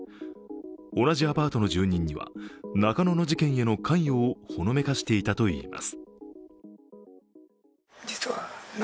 同じアパートの住人には中野の事件への関与をほのめかしていたといいます。